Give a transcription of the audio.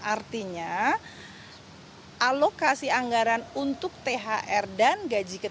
artinya alokasi anggaran untuk thr dan gaji ke tiga belas